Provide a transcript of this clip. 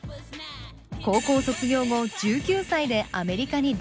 高校卒業後１９歳でアメリカにダンス留学。